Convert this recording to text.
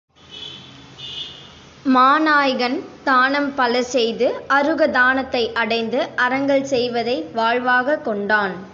மாநாய்கன் தானம் பல செய்து அருக தானத்தை அடைந்து அறங்கள் செய்வதை வாழ்வாகக் கொண்டான்.